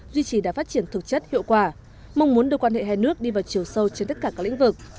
duy trì đã phát triển thực chất hiệu quả mong muốn đưa quan hệ hai nước đi vào chiều sâu trên tất cả các lĩnh vực